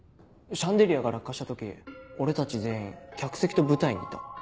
シャンデリアが落下した時俺たち全員客席と舞台にいた。